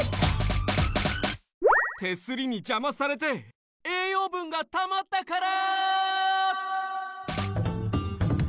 手すりにじゃまされて栄養ぶんがたまったから！